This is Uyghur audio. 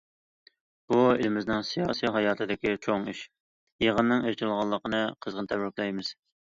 بۇ، ئېلىمىزنىڭ سىياسىي ھاياتىدىكى چوڭ ئىش، يىغىننىڭ ئېچىلغانلىقىنى قىزغىن تەبرىكلەيمىز!